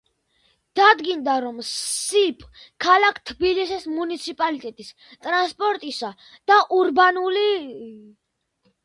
დადგინდა რომ სსიპ ქალაქ თბილისის მუნიციპალიტეტის ტრანსპორტისა და ურბანული ..